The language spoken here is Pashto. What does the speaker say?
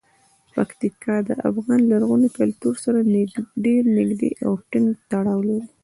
پکتیکا د افغان لرغوني کلتور سره ډیر نږدې او ټینګ تړاو لري.